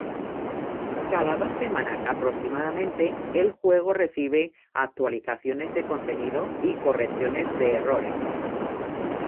Cada dos semanas, aproximadamente, el juego recibe actualizaciones de contenido y correcciones de errores.